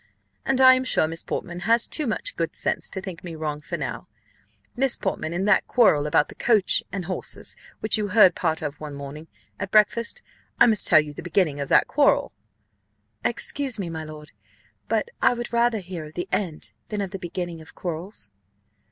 And I am sure Miss Portman has too much good sense to think me wrong: for now, Miss Portman, in that quarrel about the coach and horses, which you heard part of one morning at breakfast I must tell you the beginning of that quarrel." "Excuse me, my lord, but I would rather hear of the end than of the beginning of quarrels."